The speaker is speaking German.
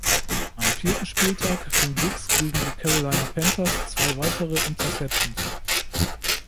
Am vierten Spieltag fing Diggs gegen die Carolina Panthers zwei weitere Interceptions.